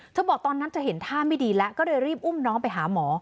บอกตอนนั้นเธอเห็นท่าไม่ดีแล้วก็เลยรีบอุ้มน้องไปหาหมอ